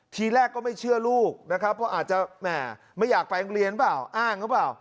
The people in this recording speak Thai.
ทีแรกก็ไม่เชื่อลูกนะครับเพราะอาจจะแหมไม่อยากไปโรงเรียนเปล่าอ้างหรือเปล่า